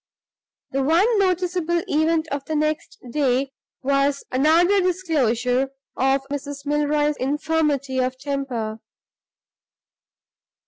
The one noticeable event of the next day was another disclosure of Mrs. Milroy's infirmity of temper.